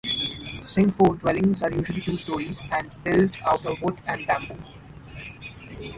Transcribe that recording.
Singpho dwellings are usually two stories and built out of wood and bamboo.